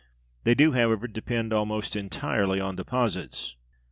They do, however, depend almost entirely on deposits.